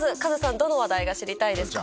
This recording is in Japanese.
どの話題が知りたいですか？